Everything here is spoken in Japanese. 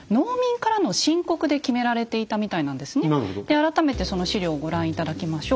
改めてその史料をご覧頂きましょう。